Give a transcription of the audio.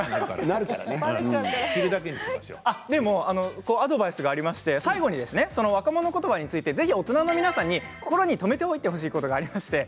でもアドバイスがありまして最後に若者言葉についてぜひ大人の皆さんに心に留めてほしいことがあります。